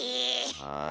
はい。